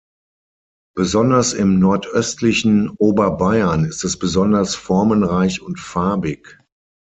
Besonders im nordöstlichen Oberbayern ist es besonders formenreich und farbig.